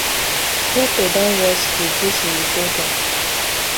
Pepper don rest wit dis oyibo dem.